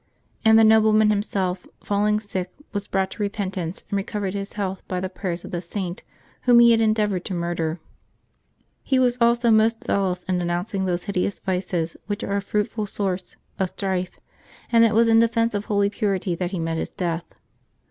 And the nobleman himself, falling sick, was brought to repent ance, and recovered his health by the prayers of the Saint whom he had endeavored to murder. He was also most zealous in denouncing those hideous vices which are a fruitful source of strife, and it was in defence of holy purity that he met his death.